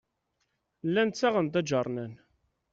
Llan ttaɣen-d aǧernan.